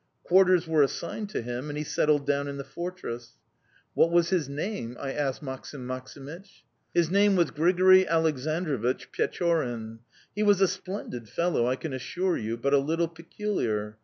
"Quarters were assigned to him and he settled down in the fortress." "What was his name?" I asked Maksim Maksimych. "His name was Grigori Aleksandrovich Pechorin. He was a splendid fellow, I can assure you, but a little peculiar.